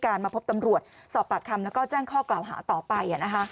แต่เราไม่ได้มีเจตนาที่จะโพสต์ว่าเขา